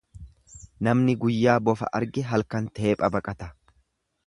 Namni guyyaa bofa arge halkan xeepha baqata.